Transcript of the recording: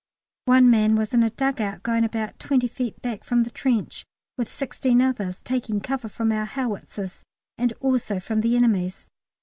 One man was in a dug out going about twenty feet back from the trench, with sixteen others, taking cover from our howitzers and also from the enemy's.